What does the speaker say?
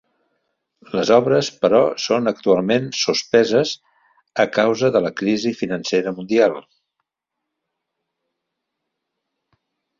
Les obres, però, són actualment "sospeses" a causa de la crisi financera mundial.